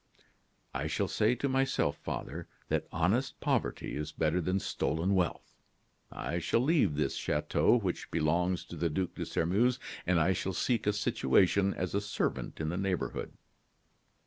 "I shall say to myself, father, that honest poverty is better than stolen wealth. I shall leave this chateau, which belongs to the Duc de Sairmeuse, and I shall seek a situation as a servant in the neighborhood."